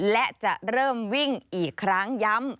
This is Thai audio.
และจะเริ่มวิ่งอีกครั้งย้ำ